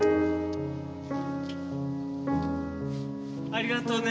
ありがとうね。